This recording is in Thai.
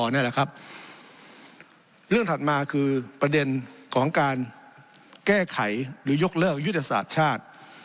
นี่แหละครับเรื่องถัดมาคือประเด็นของการแก้ไขหรือยกเลิกยุทธศาสตร์ชาติ